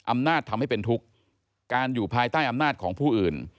อำนาจทำให้เป็นทุกข์การอยู่ภายใต้อำนาจของผู้อื่น